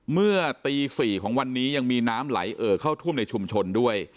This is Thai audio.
เมื่อตี๔ของวันนี้ยังมีน้ำไหลเอ่อเข้าท่วมในชุมชนด้วย